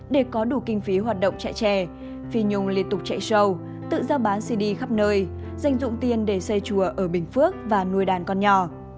để có đủ kinh phí hoạt động chạy chè phi nhung liên tục chạy sâu tự giao bán cd khắp nơi dành dụng tiền để xây chùa ở bình phước và nuôi đàn con nhỏ